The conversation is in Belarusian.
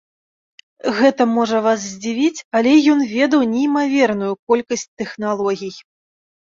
Гэта можа вас здзівіць, але ён ведаў неймаверную колькасць тэхналогій.